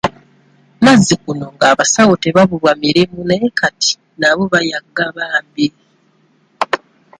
Nazzikuno nga abasawo tebabulwa mirimu naye kati nabo bayagga bambi.